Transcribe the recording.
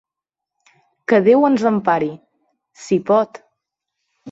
Que Déu ens empari, si pot!